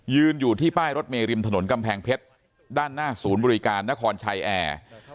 อยู่ที่ป้ายรถเมริมถนนกำแพงเพชรด้านหน้าศูนย์บริการนครชัยแอร์